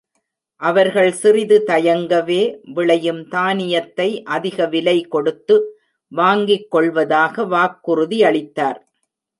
அவர்கள் சிறிது தயங்கவே, விளையும் தானியத்தை அதிகவிலை கொடுத்து வாங்கிக்கொள்வதாக வாக்குறுதியளித்தார்.